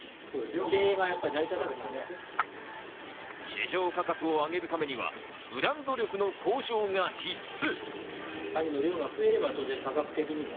市場価格を上げるためにはブランド力の向上が必須。